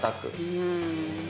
うん。